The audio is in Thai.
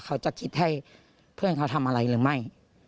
เขาจะคิดให้เพื่อนเขาทำอะไรหรือไม่